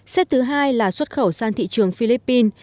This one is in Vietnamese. xếp thứ hai là xuất khẩu sang thị trường philippines